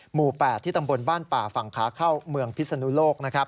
หมู่๘ที่ตำบลบ้านป่าฝั่งขาเข้าเมืองพิศนุโลก